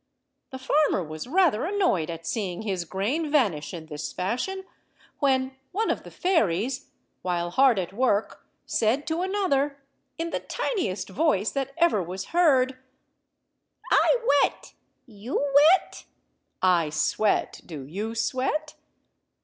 The farmer was rather annoyed at seeing his grain vanish in this fashion, when one of the fairies, while hard at work, said to another, in the tiniest voice that ever was heard— "I weat; you weat?" (I sweat; do you sweat?)